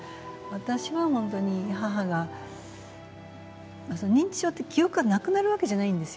私は母が、認知症というのは記憶がなくなるわけじゃないんです。